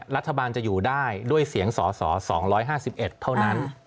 รัฐบาลจะอยู่ได้ด้วยเสียงสส๒๕๑เท่านั้น